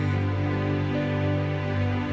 ขอเธอทูลศักดิ์ศรียิ่งสิ่งใด